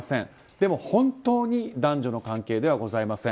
でも本当に男女の関係ではございません。